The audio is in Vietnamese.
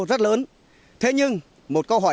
rất lớn thế nhưng một câu hỏi